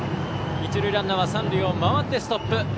一塁ランナーは三塁でストップ。